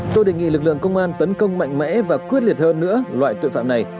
tôi đề nghị lực lượng công an tấn công mạnh mẽ và quyết liệt hơn nữa loại tội phạm này